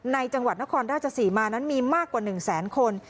จังหวัดนครราชศรีมานั้นมีมากกว่า๑แสนคน